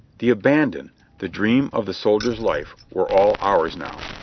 The abandon, the dream of the soldier's life were all ours now.